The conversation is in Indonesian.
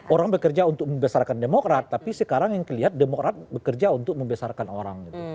orang bekerja untuk membesarkan demokrat tapi sekarang yang terlihat demokrat bekerja untuk membesarkan orang